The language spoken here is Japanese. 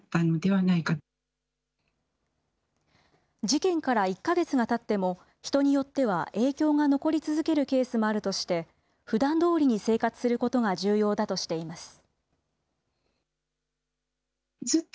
事件から１か月がたっても、人によっては影響が残り続けるケースもあるとして、ふだんどおりに生活することが重要だとしています。